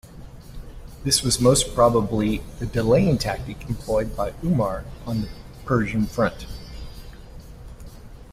This was most probably the delaying tactic employed by Umar on the Persian front.